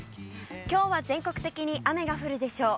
きょうは全国的に雨が降るでしょう。